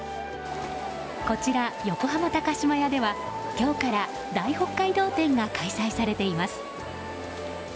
こちら、横浜高島屋では今日から大北海道展が開催されています。